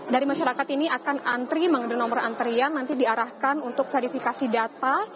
dari masyarakat ini akan antri mengambil nomor antrian nanti diarahkan untuk verifikasi data